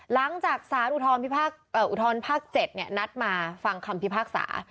หลังจากศาสตร์อุทธรณ์ภาคเจ็ดเนี่ยนัดมาฟังคำพิพากษา